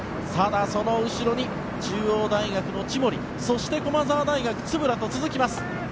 その後ろに中央大学の千守そして駒澤大学の円と続きます。